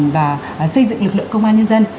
và xây dựng lực lượng công an nhân dân